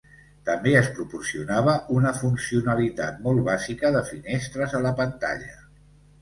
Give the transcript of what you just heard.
També es proporcionava una funcionalitat molt bàsica de finestres a la pantalla.